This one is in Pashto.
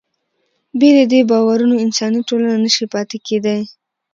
بې له دې باورونو انساني ټولنه نهشي پاتې کېدی.